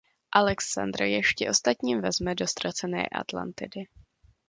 Alexander ještě ostatní vezme do ztracené Atlantidy.